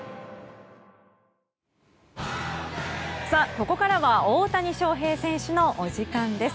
ここからは大谷翔平選手のお時間です。